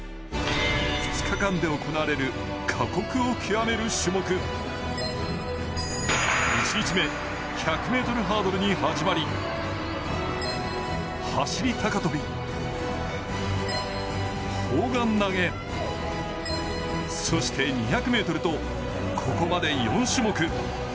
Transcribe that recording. ２日感で行われる過酷を極める種目１日目、１００ｍハードルに始まり走高跳、砲丸投、そして２００ｍと、ここまで４種目。